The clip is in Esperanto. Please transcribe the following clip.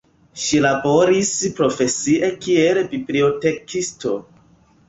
Ŝi laboris profesie kiel bibliotekisto.